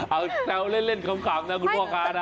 เอาแซวเล่นขำนะคุณพ่อค้านะ